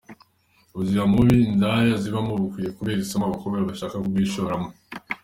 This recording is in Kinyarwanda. Ubuzima bubi indaya zibamo bukwiye kubera isomo abakobwa bashaka kubwishoramo.